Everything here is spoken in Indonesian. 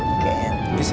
enggak usah dipikirin ya